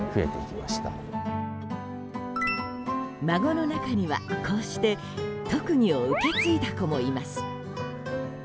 孫の中には、こうして特技を受け継いだ子もいます。